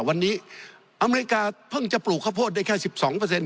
วันนี้อเมริกาเพิ่งจะปลูกข้าวโพดได้แค่๑๒เปอร์เซ็นต์